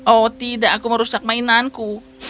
oh tidak aku merusak mainanku